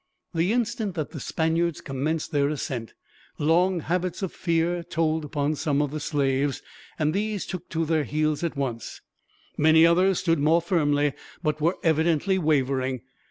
The instant that the Spaniards commenced their ascent, long habits of fear told upon some of the slaves, and these took to their heels at once. Many others stood more firmly, but were evidently wavering.